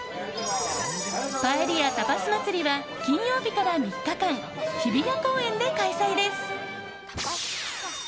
パエリア・タパス祭りは金曜日から３日間日比谷公園で開催です。